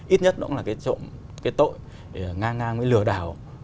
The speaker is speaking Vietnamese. ít nhất nó cũng là cái tội ngang ngang với lừa đảo